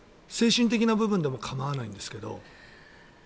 精神的な部分でも構わないんですけど。